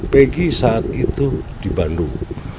peggy saat itu di bandung